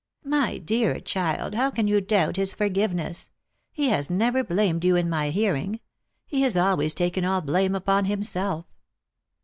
" My dear child, how can you doubt his forgiveness ? He has never blamed you in my hearing. He has always taken all blame upon himself."